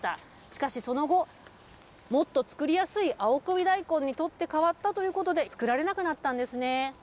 しかし、その後、もっと作りやすい青首大根に取って替わったということで、作られなくなったんですね。